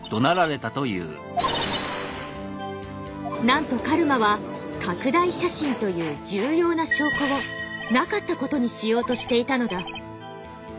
なんと狩魔は拡大写真という重要な証拠をなかったことにしようとしていたのだ。